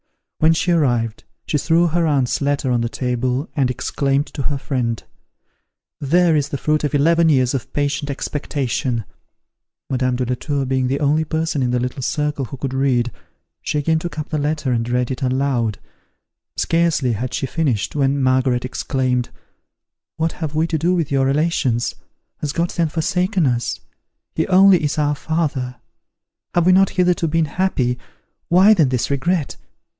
When she arrived, she threw her aunt's letter on the table, and exclaimed to her friend, "There is the fruit of eleven years of patient expectation!" Madame de la Tour being the only person in the little circle who could read, she again took up the letter, and read it aloud. Scarcely had she finished, when Margaret exclaimed, "What have we to do with your relations? Has God then forsaken us? He only is our father! Have we not hitherto been happy? Why then this regret?